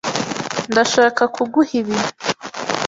Ndashaka kuguha ibi, .